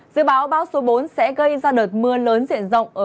dự báo bão số bốn sẽ gây ra đợt mưa lớn diện rộng